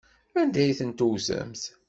Anda ay ten-tewtemt?